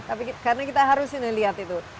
tapi karena kita harus melihat itu